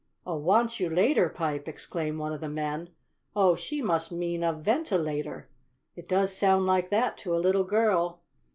"A want you later pipe!" exclaimed one of the men. "Oh, she must mean a ventilator. It does sound like that to a little girl."